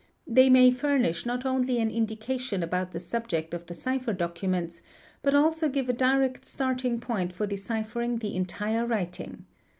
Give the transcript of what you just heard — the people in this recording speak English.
They may furnish not only an indicatior about the subject of the cipher documents, but also give a direct startin point for deciphering the entire writing.